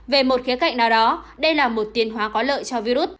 về một khía cạnh nào đó đây là một tiền hóa có lợi cho virus